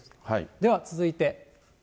では続いて。